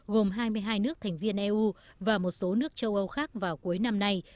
gồm hai mươi hai nước thành viên eu và một số nước châu âu khác vào cuối năm nay